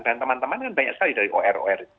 dan teman teman kan banyak sekali dari or or